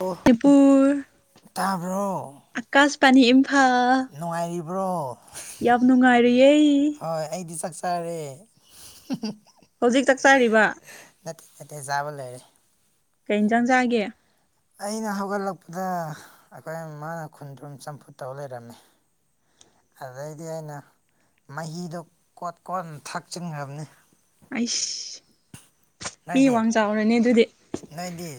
ꯑꯣ ꯇ꯭ꯤꯄꯨꯔ ꯇꯥꯕ꯭ꯔꯣ ꯄꯅꯤ ꯏꯝꯐꯥꯜ ꯕ꯭ꯔꯣ ꯌꯥꯝ ꯅꯨꯡꯉꯥꯏꯔꯤꯌꯦ ꯇꯔꯦ ꯍꯧꯖꯤꯛ ꯆꯥꯛ ꯆꯥꯔꯤꯕ ꯅꯠꯇꯦ ꯌꯥꯕ ꯂꯩꯔꯦ ꯀꯩ ꯏꯟꯖꯥꯡ ꯆꯥꯒꯦ ꯑꯩꯅ ꯍꯧꯒꯠꯂꯛꯄꯗ ꯑꯩꯈꯣꯏ ꯃꯥꯅ ꯈꯨꯟꯗꯔꯨꯝ ꯆꯝꯐꯨꯠ ꯇꯧ ꯂꯩꯔꯝꯃꯤ ꯑꯗꯩꯗꯤ ꯑꯩꯅ ꯃꯍꯤꯗꯣ ꯀꯣꯠ ꯀꯣꯠꯅ ꯊꯛꯆꯤꯟꯈ꯭ꯔꯕꯅꯤ ꯑꯩꯁ ꯃꯤ ꯅꯣꯏꯗꯤ ꯋꯥꯡ ꯆꯥꯎꯔꯅꯦ ꯑꯗꯨꯗꯤ ꯅꯣꯏꯗꯤ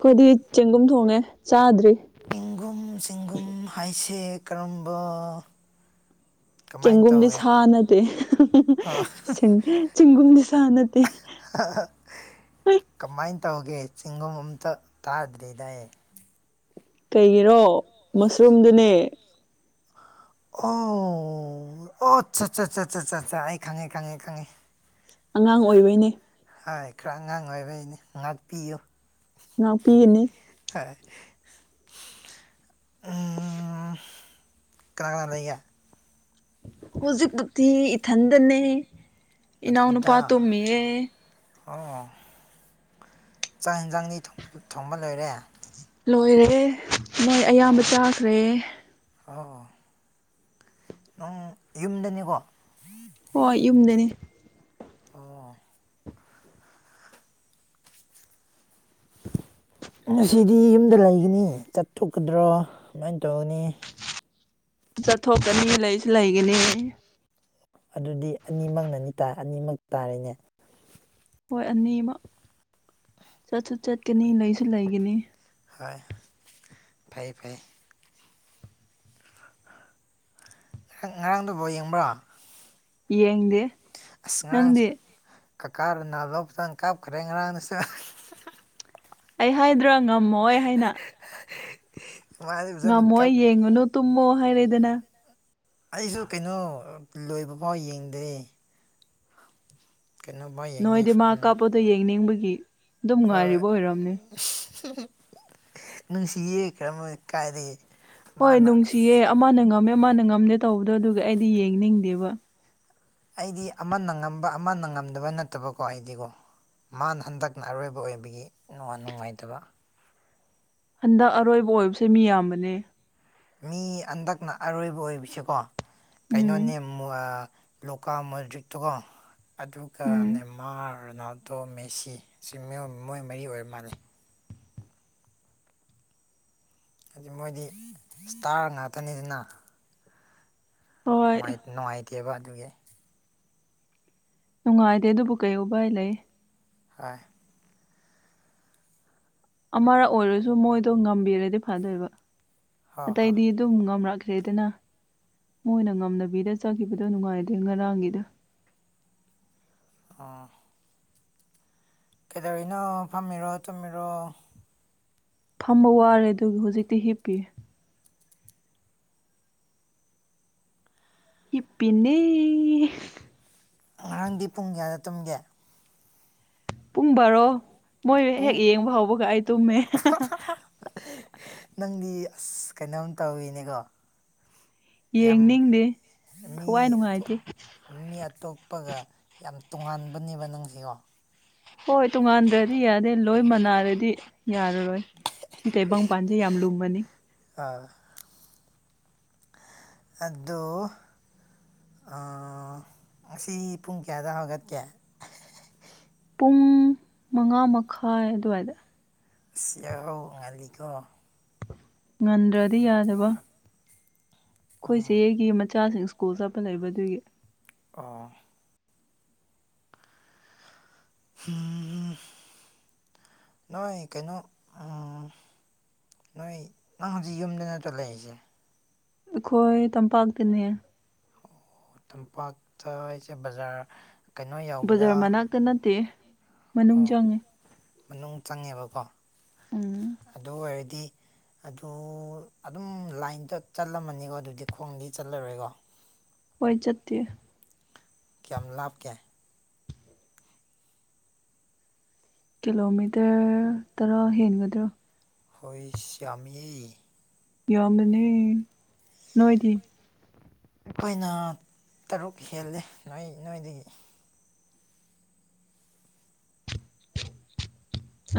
ꯈꯣꯏꯗꯤ ꯆꯦꯡꯒꯨꯝ ꯊꯣꯡꯉꯦ ꯆꯥꯗ꯭ꯔꯤ ꯆꯦꯡꯒꯨꯝ ꯆꯦꯡꯒꯨꯝ ꯍꯥꯏꯁꯦ ꯀꯔꯝꯕ ꯀꯃꯥꯏꯅ ꯆꯦꯡꯒꯨꯝꯗꯤ ꯇꯧꯒꯦ ꯁꯥ ꯅꯇꯦ ꯍ ꯆꯦꯡꯒꯨꯝꯗꯤ ꯁꯥ ꯅꯠꯇꯦ [unintelligible] ꯇꯧꯒꯦ ꯆꯤꯡꯒꯨꯝ ꯑꯝꯇ ꯇꯥꯗ꯭ꯔꯤꯗꯥ ꯑꯩ ꯀꯩꯒꯤꯔꯣ ꯃꯁꯔꯨꯝꯗꯨꯅꯦ ꯑꯣ ꯑꯣ ꯑꯆꯥ ꯆꯥ ꯆꯥ ꯆꯥ ꯑꯩ ꯈꯪꯉꯦ ꯈꯪꯉꯦ ꯑꯉꯥꯡ ꯑꯣꯏꯕꯩꯅꯦ ꯍꯥꯏ ꯈꯔ ꯑꯉꯥꯡ ꯑꯣꯏꯕꯩꯅꯤ ꯉꯥꯛꯄꯤꯌꯨ ꯉꯛꯄꯤꯒꯥꯅꯤ ꯍꯥꯏ ꯀꯅꯥ ꯀꯅꯥ ꯂꯩꯒꯦ ꯍꯧꯖꯤꯛꯄꯨꯗꯤ ꯏꯊꯟꯗꯅꯦ ꯏꯅꯥꯎ ꯅꯊꯟꯇ ꯅꯨꯄꯥ ꯇꯨꯝꯃꯤꯌꯦ ꯑꯣ ꯆꯥꯛ ꯍꯤꯟꯖꯥꯡꯗꯤ ꯊꯣꯡ ꯊꯣꯡꯕ ꯂꯣꯏꯔꯦ ꯂꯣꯏꯔꯦ ꯃꯣꯏ ꯑꯌꯥꯝꯕ ꯆꯥꯈ꯭ꯔꯦ ꯑꯥ ꯅꯪ ꯌꯨꯝꯗꯅꯤꯀꯣ ꯍꯣꯏ ꯌꯨꯝꯗꯅꯦ ꯑꯣ [inaudible] ꯉꯁꯤꯗꯤ ꯌꯨꯝꯗ ꯂꯩꯒꯅꯤ ꯆꯠꯊꯣꯛꯀꯗ꯭ꯔꯣ ꯀꯃꯥꯏ ꯇꯧꯒꯅꯤ ꯆꯠꯊꯣꯛꯀꯅꯤ ꯂꯩꯁꯨ ꯂꯩꯒꯅꯤ ꯑꯗꯨꯗꯤ ꯑꯅꯤꯃꯛꯅꯅꯤꯇ ꯑꯅꯤꯃꯛ ꯇꯥꯔꯦꯅꯦ ꯍꯣꯏ ꯑꯅꯤꯃꯛ ꯆꯠꯁꯨ ꯆꯠꯀꯅꯤ ꯂꯩꯁꯨ ꯂꯩꯒꯅꯤ ꯍꯣꯏ ꯐꯩ ꯐꯩ ꯉꯔ ꯉꯔꯥꯡꯗꯨ ꯕꯣꯜ ꯌꯦꯡꯕ꯭ꯔꯣ ꯌꯦꯡꯗꯦ ꯑꯁ ꯉꯔꯥꯡꯁꯨ ꯅꯪꯗꯤ ꯀꯀꯥ ꯅꯥ [unintelligible] ꯀꯥꯞꯈ꯭ꯔꯦ ꯉꯔꯥꯡꯁꯨ ꯑꯩ ꯍꯥꯏꯗ꯭ꯔꯥ ꯉꯝꯃꯣꯏ ꯍꯥꯏꯅ ꯑꯦ ꯉꯝꯃꯣꯏ ꯌꯦꯡꯉꯨꯅꯨ ꯇꯨꯝꯃꯣ ꯍꯥꯏꯔꯦꯗꯅ ꯑꯩꯁꯨ ꯀꯩꯅꯣ ꯂꯣꯏꯕ ꯐꯥꯎ ꯌꯦꯡꯗꯦ ꯅꯣꯏꯗꯤ ꯃꯥ ꯎꯝ ꯀꯥꯞꯄꯗꯣ ꯌꯦꯡꯅꯤꯡꯕꯒꯤ ꯑꯗꯨꯝ ꯍꯣꯏ ꯉꯥꯏꯔꯤꯕ ꯑꯣꯏꯔꯝꯅꯦ ꯅꯨꯡꯁꯤꯌꯦ ꯀꯔꯝꯕ ꯀꯥꯏꯗꯒꯤ ꯍꯣꯏ ꯃꯥꯅ ꯅꯨꯡꯁꯤꯌꯦ ꯑꯁ ꯑꯃꯅ ꯉꯝꯃꯦ ꯑꯃꯅ ꯉꯝꯗꯦ ꯇꯧꯕꯗꯣ ꯑꯗꯨꯒ ꯑꯩꯗꯤ ꯌꯦꯡꯅꯤꯡꯗꯦꯕ ꯑꯩꯗꯤ ꯑꯃꯅ ꯉꯝꯕ ꯑꯃꯅ ꯉꯝꯗꯕ ꯅꯠꯇꯕꯀꯣ ꯑꯩꯗꯤꯀꯣ ꯃꯥꯅ ꯍꯟꯗꯛꯅ ꯑꯔꯣꯏꯕ ꯑꯣꯏꯕꯒꯤ ꯅꯨꯡꯉ ꯅꯨꯡꯉꯥꯏꯇꯕ ꯍꯟꯗꯛ ꯑꯔꯣꯏꯕ ꯑꯣꯏꯕꯁꯦ ꯃꯤꯌꯥꯝꯕꯅꯦ ꯃꯤ ꯍꯟꯗꯛꯅ ꯑꯔꯣꯏꯕ ꯑꯣꯏꯁꯀꯣ ꯎꯝ ꯀꯩꯅꯣꯅꯦ ꯂꯣꯀꯥ ꯃꯜꯖꯤꯠꯇꯣꯀꯣ ꯑꯗꯨꯒ ꯎꯝ ꯅꯦꯃꯥꯔꯅ ꯗꯣ ꯃꯦꯁꯤ ꯑꯁꯤ ꯃꯣꯏ ꯃꯔꯤ ꯑꯣꯏꯔ ꯃꯥꯜꯂꯦ ꯍꯥꯏꯗꯤ ꯃꯣꯏꯗꯤ ꯁꯇꯥꯔ ꯉꯥꯛꯇꯅꯤꯗꯅ ꯍꯣꯏ ꯅꯨꯡꯉꯥꯏ ꯅꯨꯡꯉꯥꯢꯇꯦꯕ ꯑꯗꯨꯒꯤ ꯅꯨꯡꯉꯥꯏꯗꯦ ꯑꯗꯨꯕꯨ ꯀꯩꯕ ꯎꯄꯥꯏ ꯂꯩ ꯍꯣꯏ ꯑꯃꯔꯛ ꯑꯣꯏꯔꯁꯨ ꯃꯣꯏꯗꯣ ꯉꯝꯕꯤꯔꯗꯤ ꯐꯗꯣꯏꯕ ꯍꯣꯏ ꯍꯣꯏ ꯑꯇꯩꯗꯤ ꯑꯗꯨꯝ ꯉꯝꯔꯛ ꯈ꯭ꯔꯦꯗꯅ ꯃꯣꯏꯅ ꯉꯝꯅꯕꯤꯗ ꯆꯠꯈꯤꯕꯗꯣ ꯅꯨꯡꯉꯥꯏꯗꯦ ꯉꯔꯥꯡꯒꯤꯗꯣ ꯑꯣ ꯀꯩꯗꯧꯔꯤꯅꯣ ꯐꯝꯃꯤꯔꯣ ꯇꯨꯝꯃꯤꯔꯣ ꯐꯝꯕ ꯋꯥꯔꯦ ꯑꯗꯨꯒꯤ ꯍꯧꯖꯤꯛꯇꯤ ꯍꯤꯞꯄꯤꯌꯦ ꯍꯤꯞꯄꯤꯅꯦ ꯉꯔꯥꯡꯗꯤ ꯄꯨꯡ ꯀꯌꯥꯗ ꯇꯨꯝꯒꯦ ꯄꯨꯡ ꯕꯥꯔꯣ ꯃꯣꯏ ꯍꯦꯛ ꯄꯨꯡ ꯌꯦꯡꯕ ꯍꯧꯕꯒ ꯑꯩ ꯇꯨꯝꯃꯦ ꯅꯪꯗꯤ ꯑꯁ ꯀꯩꯅꯣꯝ ꯇꯧꯍꯤꯅꯦꯀꯣ ꯌꯥꯝ ꯌꯦꯡꯅꯤꯡꯗꯦ ꯃꯤ ꯊꯋꯥꯏ ꯑꯇꯣꯞ ꯅꯨꯡꯉꯥꯏꯇꯦ ꯃꯤ ꯑꯇꯣꯞꯄꯒ ꯌꯥꯝ ꯇꯣꯡꯉꯥꯟꯕꯅꯦꯕ ꯅꯪꯁꯤꯀꯣ ꯍꯣꯏ ꯇꯣꯉꯥꯟꯗ꯭ꯔꯗꯤ ꯌꯥꯗꯦ ꯂꯣꯏ ꯃꯅꯥꯔꯗꯤ ꯌꯥ ꯔꯣꯏ ꯁꯤ ꯇꯥꯢꯕꯪꯄꯥꯟꯁꯦ ꯌꯥꯝ ꯂꯨꯝꯃꯅꯤ ꯑꯥ ꯑꯗꯣ ꯉꯁꯤ ꯄꯨꯡ ꯀꯌꯥꯗ ꯍꯧꯒꯠꯀꯦ ꯄꯨꯡ ꯃꯉꯥ ꯃꯈꯥꯏ ꯑꯗꯨꯋꯥꯏꯗ ꯏꯁ ꯌꯥꯍꯧ ꯉꯜꯂꯤꯀꯣ ꯉꯟꯗꯔ꯭ꯗꯤ ꯌꯥꯗꯕ ꯑꯩꯈꯣꯏ ꯎꯝ ꯆꯦꯒꯤ ꯃꯆꯥꯁꯤꯡ ꯁ꯭ꯀꯨꯜ ꯆꯠꯄ ꯂꯩꯕ ꯑꯗꯨꯒꯤ ꯑꯣ ꯅꯣꯏ ꯀꯩꯅꯣ ꯅꯣꯏ ꯅꯪ ꯍꯧꯖꯤꯛ ꯌꯨꯝꯗꯅ ꯅꯠꯇ꯭ꯔꯣ ꯂꯩꯔꯤꯁꯦ ꯑꯩꯈꯣꯏ ꯇꯝꯄꯥꯛꯇꯅꯦ ꯇꯝꯄꯥꯛꯇ ꯑꯩꯁꯦ ꯕꯖꯥꯔ ꯀꯩꯅꯣ ꯕꯖꯥꯔ ꯌꯧꯕꯗ ꯃꯅꯥꯛꯇ ꯅꯠꯇꯤꯌꯦ ꯃꯅꯨꯡ ꯑꯣ ꯆꯪꯉꯦ ꯃꯅꯨꯡ ꯆꯪꯉꯦꯕꯀꯣ ꯎꯝ ꯑꯗꯨ ꯑꯣꯏꯔꯗꯤ ꯑꯗꯨ ꯑꯗꯨꯝ ꯂꯥꯏꯟꯗ ꯆꯠꯂꯝꯃꯅꯤꯀꯣ ꯑꯗꯨꯗꯤ ꯈꯣꯡꯗꯤ ꯆꯠꯂꯔꯣꯏꯀꯣ ꯍꯣꯏ ꯆꯠꯇꯦ ꯀꯌꯥꯝ ꯂꯥꯞꯀꯦ ꯀꯤꯂꯣꯃꯤꯇꯔ ꯇꯔꯥ ꯍꯦꯟꯒꯗ꯭ꯔꯣ ꯍꯣꯏꯁ ꯌꯥꯝꯃꯤꯍꯦ ꯌꯥꯝꯕꯅꯦ ꯅꯣꯏꯗꯤ ꯑꯩꯈꯣꯏꯅ ꯇꯔꯨꯛ ꯍꯦꯜꯂꯦ ꯅꯣꯏ ꯅꯣꯏꯗꯒꯤ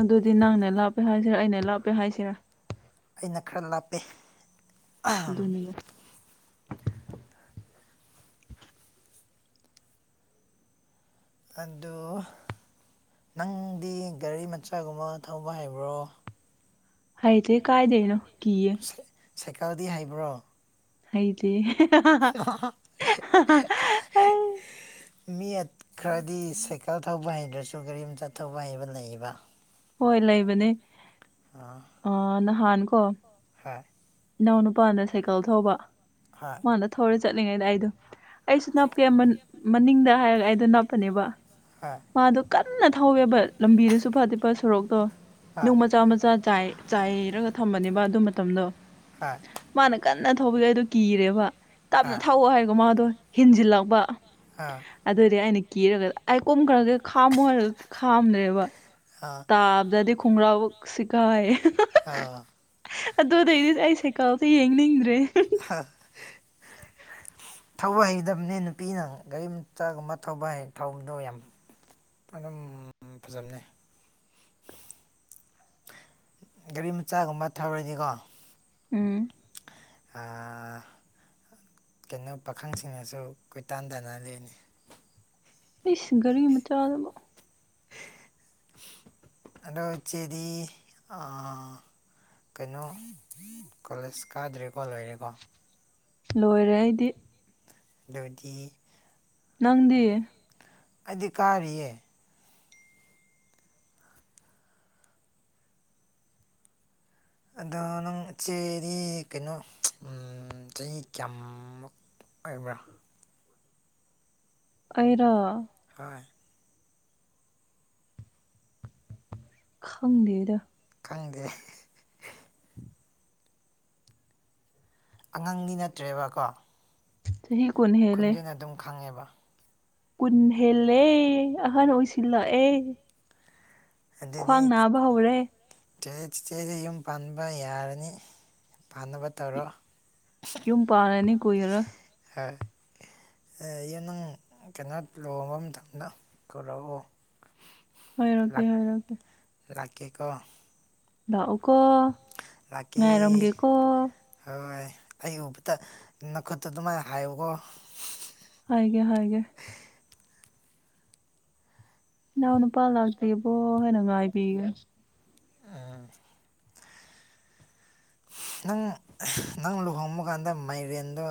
ꯑꯗꯨꯗꯤ ꯅꯪꯅ ꯂꯥꯞꯄꯦ ꯍꯥꯏꯁꯤꯔꯥ ꯑꯩꯅ ꯂꯥꯞꯄꯦ ꯍꯥꯏꯁꯤꯔꯥ ꯑꯩꯅ ꯈꯔ ꯂꯥꯞꯄꯦ ꯑꯗꯨꯅꯤꯌꯦ ꯑꯗꯨ ꯅꯪꯗꯤ ꯒꯥꯔꯤ ꯃꯆꯥꯒꯨꯝꯕ ꯊꯧꯕ ꯍꯩꯕ꯭ꯔꯣ ꯍꯥꯏꯗꯦ ꯀꯥꯥꯏꯗꯩꯅꯣ ꯀꯤꯌꯦ ꯁꯥꯏꯀꯜꯗꯤ ꯍꯩꯕ꯭ꯔꯣ ꯍꯩꯇꯤꯌꯦ ꯃꯤ ꯈꯔꯗꯤ ꯁꯥꯏꯀꯜ ꯊꯧꯕ ꯍꯩꯗ꯭ꯔꯁꯨ ꯒꯥꯔꯤ ꯃꯆꯥ ꯊꯧꯕ ꯍꯩꯕ ꯂꯩꯌꯦꯕ ꯍꯣꯏ ꯂꯩꯕꯅꯦ ꯍꯣꯏ ꯑ ꯅꯍꯥꯟ ꯀꯣ ꯍꯣꯏ ꯏꯅꯥꯎꯅꯨꯄꯥꯅ ꯁꯥꯏꯀꯜ ꯊꯧꯕ ꯍꯣꯏ ꯃꯥꯅ ꯊꯧꯔ ꯆꯠꯂꯤꯉꯩꯗ ꯑꯩꯗꯣ ꯑꯩꯁꯨ ꯅꯞ ꯀ ꯃꯅꯤꯡꯗ ꯍꯥꯏꯔꯒ ꯑꯩꯗꯣ ꯅꯞꯄꯅꯦꯕ ꯃꯥꯗꯣ ꯀꯟꯅ ꯊꯧꯋꯦꯕ ꯂꯝꯕꯤꯗꯨꯁꯨ ꯐꯥꯠꯇꯦꯕ ꯁꯣꯔꯣꯛꯇꯣ ꯅꯨꯡ ꯍꯣꯏ ꯃꯆꯥ ꯃꯆꯥ ꯆꯥꯏ ꯆꯥꯏꯔꯒ ꯊꯝꯕꯅꯦꯕ ꯑꯗꯨ ꯃꯇꯝꯗꯣ ꯃꯥꯅ ꯀꯟꯅ ꯊꯧꯕꯒꯤ ꯑꯩꯗꯣ ꯀꯤꯔꯦꯕ ꯍꯣꯏ ꯇꯞꯅ ꯊꯥꯎꯋꯣ ꯍꯥꯏꯔꯒ ꯃꯥꯗꯣ ꯍꯦꯟꯖꯤꯜꯂꯛꯄ ꯍꯣꯏ ꯑꯗꯨꯗꯤ ꯑꯩꯅ ꯀꯤꯔꯒ ꯑꯩꯥꯏ ꯀꯣꯝꯒ꯭ꯔꯒꯨ ꯈꯥꯝꯃꯣ ꯍꯥꯏꯔꯒ ꯈꯥꯝꯗ꯭ꯔꯦꯕ ꯇꯥꯕꯗꯗꯤ ꯈꯣꯡꯒ꯭ꯔꯥꯎꯕꯛ ꯁꯤꯒꯥꯏꯌꯦ ꯍꯣꯏ ꯑꯗꯨꯗꯩꯗꯤ ꯑꯩ ꯁꯥꯢꯀꯜꯁꯦ ꯌꯦꯡꯅꯤꯡꯗ꯭ꯔꯦ [unintelligible] ꯊꯧꯕ ꯍꯩꯗꯝꯅꯦ ꯅꯨꯄꯤꯅ ꯒꯥꯔꯤ ꯃꯆꯥꯒꯨꯝꯕ ꯊꯧꯕ ꯍꯩ ꯊꯧꯕꯗꯣ ꯌꯥꯝ ꯑꯗꯨꯝ ꯐꯖꯝꯅꯦ ꯒꯥꯔꯤ ꯃꯆꯥꯒꯨꯝꯕ ꯊꯧꯔꯗꯤꯀꯣ ꯎꯝ ꯑꯥ... ꯀꯩꯅꯣ ꯄꯥꯈꯪꯁꯤꯡꯅꯁꯨ ꯀꯣꯏ ꯇꯥꯟ ꯇꯥꯟꯅꯗꯣꯢꯅꯦ ꯏꯁ ꯒꯥꯔꯤꯒꯤ ꯃꯆꯥꯥꯗꯕꯣ ꯑꯗꯣ ꯆꯦꯔꯤ ꯑꯥ ꯀꯩꯅꯣ ꯀꯣꯂꯦꯖ ꯀꯥꯗ꯭ꯔꯦꯀꯣ ꯂꯣꯏꯔꯦꯀꯣ ꯂꯣꯏꯔꯦ ꯑꯩꯗꯤ ꯑꯗꯨꯗꯤ ꯅꯪꯗꯤ ꯑꯩꯗꯤ ꯀꯥꯔꯤꯌꯦ ꯑꯗꯣ ꯅꯪ ꯏꯆꯦꯗꯤ ꯀꯩꯅꯣ ꯆꯍꯤ ꯀꯌꯥꯝꯃꯨꯛ ꯑꯩꯕꯨꯔꯥ ꯑꯩꯔꯣ ꯇꯥꯏ ꯈꯪꯗꯦꯗ ꯈꯪꯗꯦ ꯍꯦ ꯑꯉꯥꯡꯗꯤ ꯅꯠꯇ꯭ꯔꯦꯕꯀꯣ ꯆꯍꯤ ꯀꯨꯟ ꯍꯦꯜꯂꯦ ꯈꯨꯟꯗꯨꯅ ꯑꯗꯨꯝ ꯈꯪꯉꯦꯕ ꯀꯨꯟ ꯍꯦꯜꯂꯦ ꯑꯍꯟ ꯑꯣꯏꯁꯤꯜꯂꯛꯑꯦ ꯑꯗꯨꯗꯤ ꯈ꯭ꯋꯥꯡ ꯅꯥꯕ ꯍꯧꯔꯦ ꯆꯦ ꯆꯤꯆꯦꯁꯦ ꯌꯨꯝ ꯄꯥꯟꯕ ꯌꯥꯔꯅꯤ ꯄꯥꯟꯅꯕ ꯇꯧꯔꯣ ꯌꯨꯝ ꯄꯥꯜꯂꯅꯤ ꯀꯨꯢꯔꯔꯣꯢ ꯑꯩ ꯅꯪ ꯀꯩꯅꯣ ꯂꯨꯍꯣꯡꯕ ꯃꯇꯝꯗ ꯀꯧꯔꯛꯑꯣ ꯍꯥꯏꯔꯀꯦ ꯍꯥꯏꯔꯀꯦ ꯔꯥꯛꯀꯦꯀꯣ ꯂꯥꯛꯎꯀꯣ ꯉꯥꯏꯔꯝꯒꯦꯀꯣ ꯍꯣꯏ ꯑꯩ ꯎꯕꯗ ꯅꯈꯨꯠꯇꯣ ꯑꯗꯨꯃꯥꯏ ꯍꯥꯏꯌꯨꯀꯣ ꯍꯥꯏꯒꯦ ꯍꯥꯏꯒꯦ ꯢꯅꯥꯎ ꯅꯨꯄꯥ ꯂꯥꯛꯇꯤꯕꯣ ꯍꯥꯏꯅ ꯉꯥꯏꯕꯤꯒꯅꯤ ꯎꯝ ꯅꯪ ꯅꯪ ꯂꯨꯍꯣꯡꯕ ꯀꯥꯟꯗ ꯃꯥꯏꯔꯦꯟꯗꯣ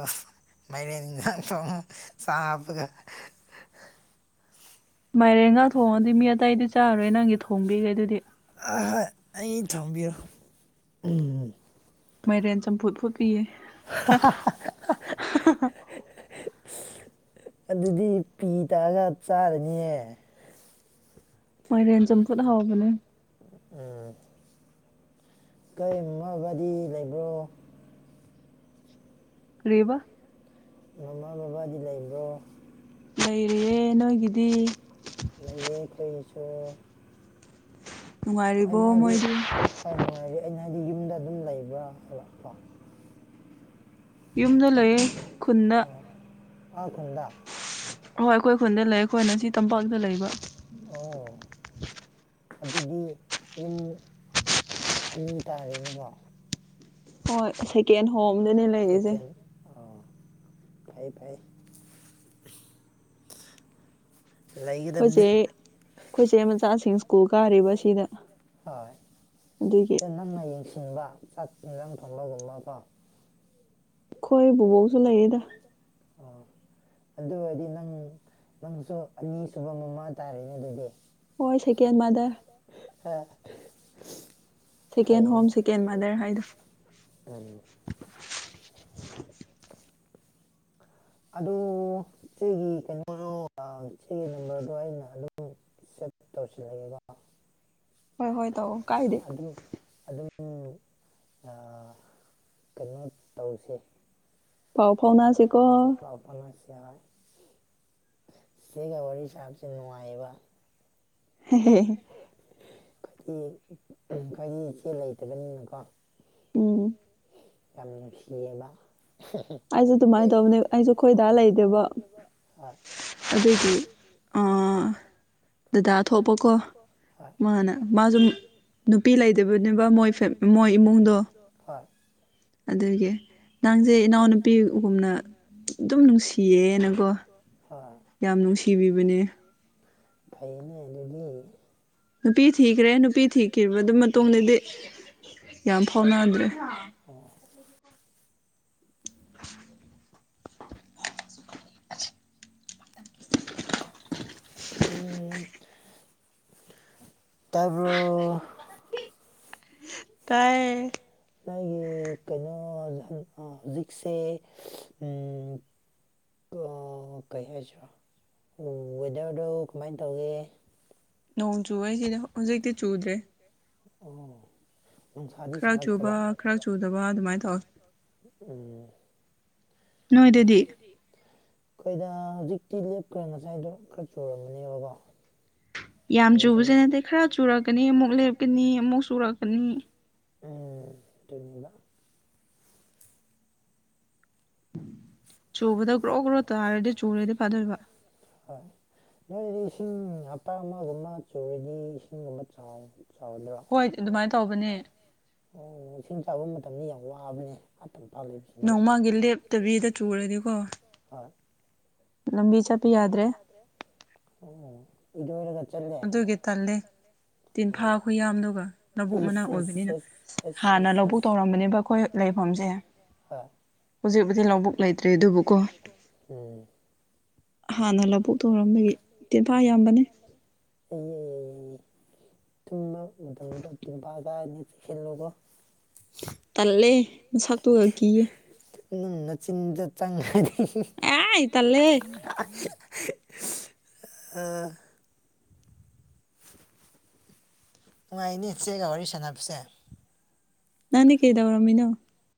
ꯃꯥꯏꯔꯦꯟ [unintelligible] ꯆꯥꯕꯒ [inaudible] ꯃꯥꯏꯔꯦꯟꯒꯥ ꯊꯣꯡꯉꯗꯤ ꯃꯤ ꯑꯇꯩꯗꯤ ꯆꯥꯔꯔꯣꯏ ꯅꯪꯒꯤ ꯊꯣꯡꯕꯤꯒꯦ ꯑꯗꯨꯗꯤ ꯑꯍꯣꯏ ꯑꯩ ꯊꯝꯕꯤꯔꯣ ꯃꯥꯏꯔꯦꯟ ꯆꯝꯐꯨꯠ ꯐꯨꯠꯄꯤꯌꯦ ꯑꯗꯨꯗꯤ ꯄꯤ ꯇꯥꯔꯥꯒ ꯆꯥꯔꯅꯤꯌꯦ ꯃꯥꯏꯔꯦꯟ ꯆꯝꯐꯨꯠ ꯍꯥꯥꯎꯕꯅꯦ ꯎꯝ ꯀꯔꯤꯒꯨꯝꯅꯕꯗꯤ ꯂꯩꯕ꯭ꯔꯣ ꯀꯔꯤꯕꯥ ꯃꯃꯥ ꯕꯕꯥꯗꯤ ꯂꯩꯕ꯭ꯔꯣ ꯏꯔꯤꯑꯦ ꯅꯣꯏꯒꯤꯗꯤ ꯆ ꯃꯥꯏꯔꯤꯕ ꯃꯣꯏꯗ ꯍꯣꯏ ꯅꯨꯡꯉꯥꯏꯔꯤ ꯑꯩꯅ ꯍꯥꯏꯗꯤ ꯌꯨꯝꯗ ꯑꯗꯨꯝ ꯂꯩꯕ꯭ꯔꯥ ꯍꯥꯏꯕ ꯀꯣ ꯌꯨꯝꯗ ꯂꯩꯌꯦ ꯈꯨꯟꯗ ꯑꯥ ꯈꯨꯟꯗ ꯍꯣꯏ ꯑꯩꯈꯣꯏ ꯈꯨꯟꯗ ꯂꯩ ꯑꯩꯈꯣꯏꯅ ꯁꯤ ꯇꯝꯄꯥꯛꯇ ꯂꯩꯕ ꯑꯣ ꯑꯗꯨꯗꯤ ꯌꯨꯝ ꯑꯅꯤ ꯇꯥꯔꯦꯅꯦꯀꯣ ꯍꯣꯏ ꯁꯦꯀꯦꯟ ꯍꯣꯝꯗꯅꯦ ꯂꯩꯔꯤꯖꯦ ꯁꯦꯀꯦꯟ ꯑꯣ ꯐꯩ ꯐꯩ ꯂꯩꯒꯗꯕꯅꯤ ꯑꯩꯈꯣꯏꯁꯦ ꯑꯩꯈꯣꯏꯁꯦ ꯃꯆꯥꯁꯤꯡ ꯁ꯭ꯀꯨꯜ ꯀꯥꯔꯤꯕ ꯁꯤꯗ ꯍꯣꯏ ꯑꯗꯨꯒꯤ ꯑ ꯅꯪꯅ ꯌꯦꯡꯁꯤꯟꯕ ꯆꯠꯅ ꯊꯝꯕꯒꯝꯃ ꯀ ꯑꯩꯈꯣꯏ ꯕꯕꯣꯛꯁꯨ ꯂꯩꯔꯤꯗ ꯑꯣ ꯑꯗꯨ ꯑꯣꯏꯔꯗꯤ ꯅꯪ ꯅꯪꯁꯨ ꯑꯅꯤꯁꯨꯕ ꯃꯃꯥ ꯇꯥꯔꯦꯅꯦ ꯑꯗꯨꯗꯤ ꯍꯣꯏ ꯁꯦꯀꯦꯟ ꯃꯥꯗꯔ [unintelligible] ꯁꯦꯀꯦꯟ ꯍꯣꯝ ꯐꯩꯅꯦ ꯁꯦꯀꯦꯟ ꯃꯥꯗꯔ ꯍꯥꯏꯗꯣ [unintelligible] ꯎꯝ ꯑꯗꯨ ꯁꯤꯒꯤ ꯀꯩꯅꯣꯗꯣ ꯁꯤꯒꯤ ꯅꯝꯕꯔꯗꯣ ꯑꯩꯅ ꯑꯗꯨꯝ ꯁꯦꯠ ꯇꯧꯁꯤꯜꯂꯒꯦꯀꯣ ꯍꯣꯏ ꯍꯣꯏ ꯇꯧꯕꯑꯣꯣ ꯑꯗꯨꯝ ꯑꯗꯨꯝ ꯀꯩꯅꯣ ꯇꯧꯁꯦ ꯐꯥꯎ ꯐꯥꯎꯅꯁꯤꯦꯀꯣ ꯁꯤ ꯀ ꯋꯥꯔꯤ ꯁꯥꯁꯦ ꯅꯨꯡꯉꯥꯏꯕ ꯍꯦ ꯍꯤ ꯈꯗꯤ ꯈꯗꯤ ꯏꯆꯦ ꯂꯩꯇꯕꯅꯤꯅꯀꯣ ꯎꯝ ꯌꯥꯝꯅ ꯅꯨꯪꯁꯤꯌꯦꯕ ꯑꯩꯁꯨ ꯑꯗꯨꯃꯥꯏꯅ ꯇꯧꯕꯅꯦ ꯑꯩꯁꯨ ꯈꯣꯏꯗꯥ ꯂꯩꯗꯦꯕ ꯍꯣꯏ ꯑꯗꯨꯗꯤ ꯗꯗꯥ ꯊꯣꯛꯄ ꯀꯣ ꯍꯣꯏ ꯃꯥꯅ ꯃꯥꯁꯨꯨꯝ ꯅꯨꯄꯤ ꯂꯩꯇꯕꯅꯦꯕ ꯃꯣꯏ ꯃꯣꯏ ꯏꯃꯨꯡꯗꯣ ꯍꯣꯏ ꯑꯗꯨꯒꯤ ꯅꯪꯁꯦ ꯏꯅꯥꯎꯅꯨꯄꯤꯒꯨꯝꯅ ꯑꯗꯨꯝ ꯅꯨꯡꯁꯤꯌꯦꯅꯀꯣ ꯍꯣꯏ ꯌꯥꯝ ꯅꯨꯡꯁꯤꯕꯤꯕꯅꯦ ꯐꯩꯅꯦ ꯑꯗꯨꯗꯤ ꯅꯨꯄꯤ ꯊꯤꯈ꯭ꯔꯦ ꯅꯨꯄꯤ ꯊꯤꯈꯤꯕ ꯑꯗꯨ ꯃꯇꯨꯡꯗꯗꯤ ꯌꯥꯝ ꯐꯥꯎꯅꯗ꯭ꯔꯦ [inaudible] ꯎꯝ ꯇꯥꯔꯕ ꯇꯥꯏ ꯅ ꯀꯩꯅꯣ ꯍꯧꯖꯤꯛꯁꯦ ꯑꯣ ꯀꯩ ꯍꯥꯏꯁꯤꯔ ꯋꯦꯗꯔꯗꯣ ꯀꯃꯥꯏꯅ ꯇꯧꯒꯦ ꯅꯣꯡ ꯆꯨꯩꯁꯤꯗꯤ ꯍꯧꯖꯤꯛꯇꯤ ꯆꯨꯗ꯭ꯔꯦ ꯑ ꯈꯔ ꯆꯨꯕ ꯈꯔ ꯆꯨꯗꯕ ꯑꯗꯨꯃꯥꯏꯅ ꯇꯧꯋꯤ ꯎꯝ ꯅꯣꯏꯗꯗꯤ ꯑꯩꯈꯣꯏꯗ ꯍꯧꯖꯤꯛꯇꯤ ꯂꯦꯞꯈ꯭ꯔꯦ ꯉꯁꯥꯏꯗꯣ ꯈꯔ ꯆꯨꯔꯃꯅꯦꯕꯀꯣ ꯌꯥꯝ ꯆꯨꯕꯁꯦ ꯅꯠꯇꯦ ꯈꯔ ꯆꯨꯔꯛꯀꯅꯤ ꯑꯃꯨꯛ ꯂꯦꯞꯀꯅꯤ ꯑꯃꯨꯛ ꯆꯨꯔꯛꯀꯅꯤ ꯇ꯭ꯔꯅꯤꯡꯡꯗ ꯆꯨꯕꯗ ꯒ꯭ꯔꯣ ꯒ꯭ꯔꯣ ꯇꯥꯔꯗꯤ ꯆꯨꯔꯗꯤ ꯐꯥꯗꯣꯏꯕ ꯍꯣꯏ ꯅꯣꯏꯗꯤ ꯏꯁꯤꯡ ꯍꯇꯥ ꯑꯃꯒꯨꯝꯕ ꯆꯔꯤꯅꯤ ꯏꯁꯤꯡꯒꯨꯝꯕ ꯆꯥꯎꯅꯤ ꯑꯣ ꯍꯣꯏ ꯑꯗꯨꯃꯥꯏꯅ ꯇꯧꯕꯅꯦ ꯏꯁꯤꯡ ꯆꯥꯕ ꯃꯇꯝꯗ ꯌꯥꯝ ꯋꯥꯕꯅꯦ ꯇꯝꯄꯥꯛ ꯂꯩꯕꯁꯤꯡꯗꯤ ꯅꯣꯡꯃꯒꯤ ꯂꯦꯞꯇꯕꯤꯗ ꯆꯨꯔꯗꯤꯀꯣ ꯂꯝꯕꯤ ꯆꯠꯄ ꯌꯥꯗ꯭ꯔꯦ ꯏꯗ ꯑꯗꯨꯒꯤ ꯇꯂꯦ ꯑꯣ ꯇꯤꯟꯐꯥꯈꯣꯏ ꯌꯥꯝꯗꯨꯒ ꯂꯧꯕꯨꯛ ꯃꯅꯥꯛ ꯑꯩꯁ ꯑꯣꯏꯕꯅꯤꯅ ꯑꯁ ꯑꯁ ꯑꯁ ꯍꯥꯟꯅ ꯂꯧꯕꯨꯛ ꯇꯧꯔꯝꯕꯅꯦꯕ ꯑꯩꯈꯣꯏ ꯐꯣꯝꯖꯦ ꯑ ꯍꯧꯖꯤꯛꯕꯨꯗꯤ ꯂꯧꯕꯨꯛ ꯂꯩꯇ꯭ꯔꯦ ꯑꯗꯨꯕꯨꯀꯣ ꯎꯝ ꯍꯥꯟꯅ ꯂꯧꯕꯨ ꯊꯧꯔꯝꯕꯒꯤ ꯇꯦꯟꯐꯥ ꯌꯥꯝꯕꯅꯦ ꯑꯩ ꯇꯨꯝꯕ ꯃꯇꯝꯗ ꯇꯤꯝꯐꯥ ꯀꯅꯤ ꯆꯨꯁꯤꯜꯂꯣꯀꯣ ꯇꯜꯂꯦ ꯃꯁꯛꯇꯨꯒ ꯀꯤꯌꯦ ꯅꯨꯡꯅꯆꯤꯟꯗ ꯆꯪꯉꯅꯤ ꯑꯥꯏ ꯇꯜꯂꯦ ꯑ ꯅꯨꯡꯉꯥꯏꯅꯤ ꯏ ꯆꯦꯒ ꯋꯥꯔꯤ ꯁꯥꯟꯅꯕꯁꯦ ꯅꯥꯟ ꯀꯦꯗꯕ ꯔꯃꯤꯅꯥꯣ